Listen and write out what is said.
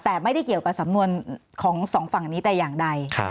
แต่ไม่ได้เกี่ยวกับสำนวนของสองฝั่งนี้แต่อย่างใด